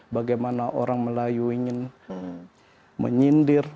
bagaimana orang melayu ingin menyindir